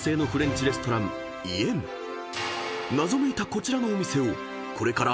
［謎めいたこちらのお店をこれから］